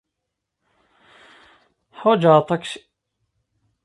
Ḥwajeɣ aṭaksi.